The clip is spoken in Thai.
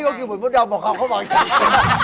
อ๋อพี่ก็กินเหมือนพวกเดียวบอกครับเขาบอกอย่างนี้